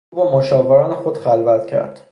او با مشاوران خود خلوت کرد.